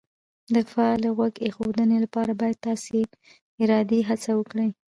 د فعالې غوږ ایښودنې لپاره باید تاسې ارادي هڅه وکړئ